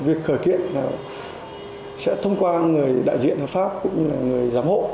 việc khởi kiện là sẽ thông qua người đại diện hợp pháp cũng như là người giám hộ